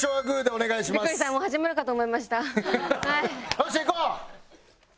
よっしゃいこう！